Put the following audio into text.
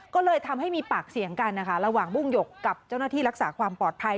ก็เลยทำให้มีปากเสียงกันนะคะระหว่างบุ้งหยกกับเจ้าหน้าที่รักษาความปลอดภัย